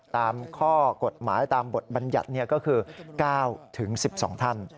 ตามข้อกฎหมายตามบทบัญญัติก็คือ๙๑๒ท่าน